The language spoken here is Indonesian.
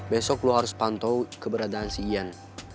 besok lo harus pantau keberadaan si ian